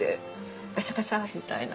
ガシャガシャみたいな。